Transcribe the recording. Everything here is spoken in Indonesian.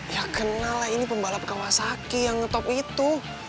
ya kenal lah ini pembalap kawasaki yang ngetop itu